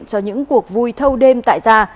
cho những cuộc vui thâu đêm tại gia